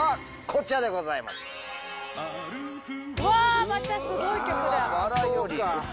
うわまたすごい曲だ。